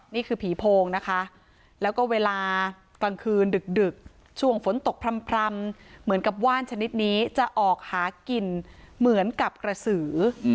นี่คือผีโพงนะคะแล้วก็เวลากลางคืนดึกช่วงฝนตกพร่ำเหมือนกับว่านชนิดนี้จะออกหากินเหมือนกับกระสือ